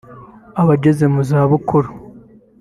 A bageze mu za bukuru